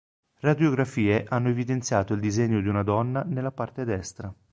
Radiografie hanno evidenziato il disegno di una donna nella parte destra.